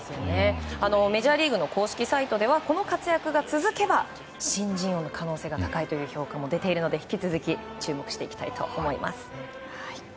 メジャーリーグの公式サイトではこの活躍が続けば、新人王の可能性が高いという評価も出ているので引き続き注目していきたいと思います。